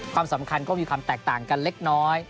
ความสำคัญก็มีความแตกต่างกันเล็กน้อย